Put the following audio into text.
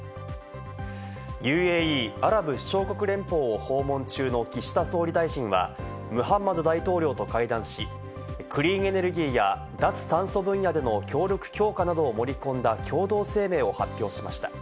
ＵＡＥ＝アラブ首長国連邦を訪問中の岸田総理大臣は、ムハンマド大統領と会談し、クリーンエネルギーや脱炭素分野での協力強化などを盛り込んだ共同声明を発表しました。